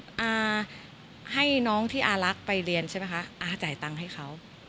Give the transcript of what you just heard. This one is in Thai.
อาให้น้องที่อารักไปเรียนใช่ไหมคะอาจ่ายตังค์ให้เขา